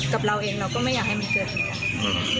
กับเราเองเราก็ไม่อยากให้มันเกิดอย่างนี้